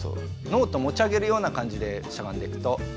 ノート持ち上げるようなかんじでしゃがんでいくとほら動かない。